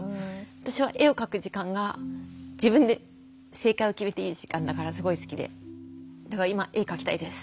私は絵を描く時間が自分で正解を決めていい時間だからすごい好きでだから今絵描きたいです。